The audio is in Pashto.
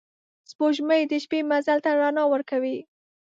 سپوږمۍ د شپې مزل ته رڼا ورکوي